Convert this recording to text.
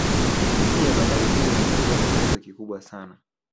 Pia bandari hizi zimekuwa ni chanzo kikubwa sana